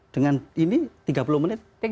dengan ini tiga puluh menit